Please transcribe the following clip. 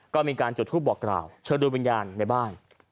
ก็มีการจุดทูปบอกกล่าวเชิญดูวิญญาณในบ้าน